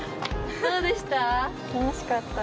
どうでした？